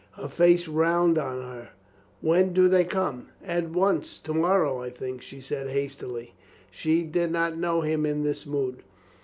He faced round on her. "When [do they come?" . "At once. To morrow, I think," she said hastily. She did not know him in this mood.